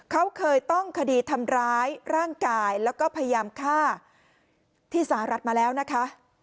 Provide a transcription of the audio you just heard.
เขาเคยต้องคดีทำร้ายร่างกายแล้วก็พยายามฆ่าที่สหรัฐมาแล้วนะคะ